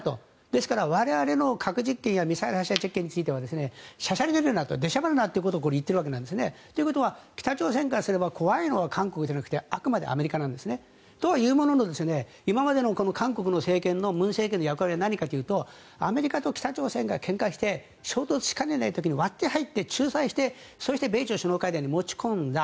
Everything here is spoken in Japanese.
ですから、我々の核実験やミサイル発射実験についてはしゃしゃり出るなでしゃばるなと言っているわけなんです。ということは北朝鮮にしてみれば怖いのは韓国じゃなくてあくまでアメリカなんですね。とは言うものの今までの韓国の政権の文政権の役割は何かというとアメリカと北朝鮮がけんかして衝突しかねない時に割って入って仲裁して、そして米朝首脳会談に持ち込んだ。